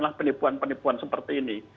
lah penipuan penipuan seperti ini